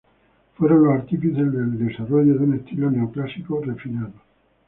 Fueron los artífices del desarrollo de un estilo neoclásico refinado.